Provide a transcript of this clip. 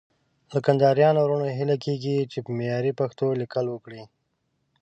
له کندهاريانو وروڼو هيله کېږي چې په معياري پښتو ليکل وکړي.